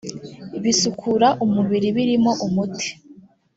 bisukura umubiri birimo umuti